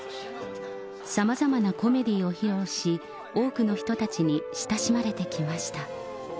さまざまなコメディーを披露し、多くの人たちに親しまれてきました。